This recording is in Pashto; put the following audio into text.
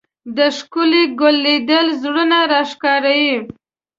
د ښکلي ګل لیدل زړونه راښکاري